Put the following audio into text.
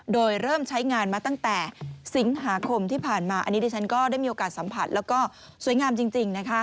โดยเริ่มใช้งานมาตั้งแต่สิงหาคมที่ผ่านมาอันนี้ดิฉันก็ได้มีโอกาสสัมผัสแล้วก็สวยงามจริงนะคะ